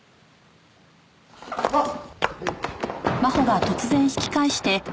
あっ。